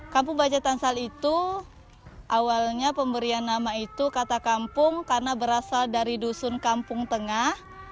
kampung baca tansal itu awalnya pemberian nama itu kata kampung karena berasal dari dusun kampung tengah